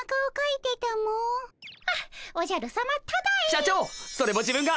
社長それも自分が。